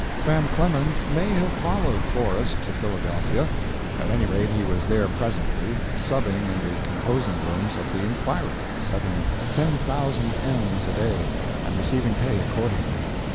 Sam Clemens may have followed Forrest to Philadelphia. At any rate, he was there presently, "subbing" in the composing rooms of the "Inquirer," setting ten thousand ems a day, and receiving pay accordingly.